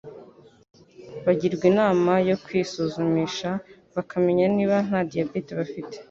bagirwa inama yo kwisuzumisha bakamenya niba nta diabète bafite